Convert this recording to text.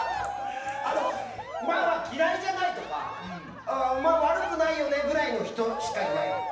まあまあ、嫌いじゃないとか悪くないよねぐらいの人しかいないのよ